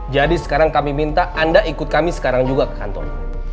jadi sekarang kami minta anda ikut kami sekarang juga ke kantor